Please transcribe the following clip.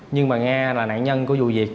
nhưng mà nga là nạn nhân của vụ việc